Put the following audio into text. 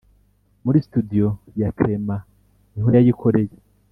muri “studio” ya “clement” ni ho yayikoreye